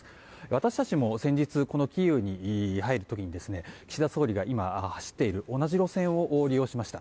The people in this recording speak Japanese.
私たちも先日このキーウに入る時に岸田総理が今、走っている同じ路線を利用しました。